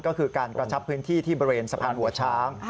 ก็คือการกระชับพื้นที่ที่บริเวณสะพานหัวช้าง